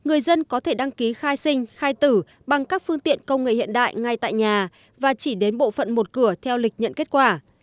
người dân có thể đăng ký khai sinh khai tử bằng các phương tiện công nghệ hiện đại ngay tại nhà và chỉ đến bộ phận một cửa theo lịch nhận kết quả